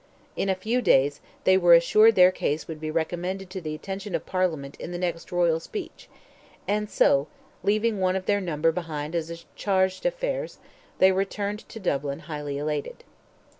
In a few days, they were assured their case would be recommended to the attention of Parliament in the next royal speech, and so, leaving one of their number behind as "charge d'affaires," they returned to Dublin highly elated.